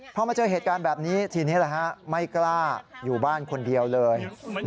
พอมาเจอเหตุการณ์แบบนี้ทีนี้ไม่กล้าอยู่บ้านคนเดียวเลย